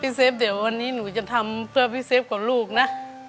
เซฟเดี๋ยววันนี้หนูจะทำเพื่อพี่เซฟกับลูกนะ